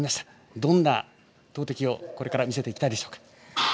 どんな投てきをこれから見せていきたいでしょうか。